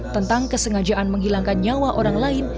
tentang kesengajaan menghilangkan nyawa orang lain